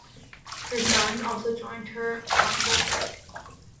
Her sons also joined her on Wolf It.